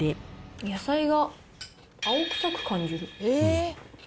野菜が青臭く感じる。